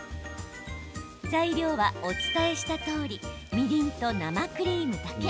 材料は、お伝えしたとおりみりんと生クリームだけ。